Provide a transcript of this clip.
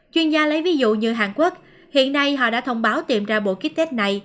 chuyên gia lấy ví dụ như hàn quốc hiện nay họ đã thông báo tìm ra bộ kích tết này